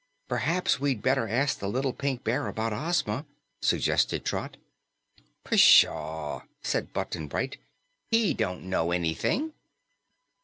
"P'r'aps we'd better ask the little Pink Bear about Ozma," suggested Trot. "Pshaw!" said Button Bright. "HE don't know anything."